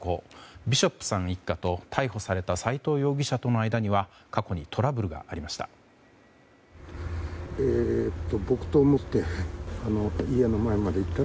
ビショップさん一家と逮捕された斎藤容疑者には過去にトラブルがありました。